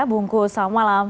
bungkus selamat malam